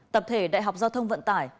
tập thể đại học giao thông vận tải